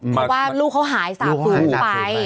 เพราะว่าลูกเขาหายสาบฝืนไป